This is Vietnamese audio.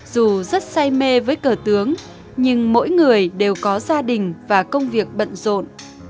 dù rất say mê với cờ tướng nhưng mỗi người đều có gia đình và công việc bận rộn